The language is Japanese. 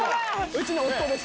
うちの夫です。